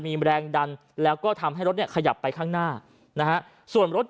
มีแรงดันแล้วก็ทำให้รถเนี่ยขยับไปข้างหน้านะฮะส่วนรถ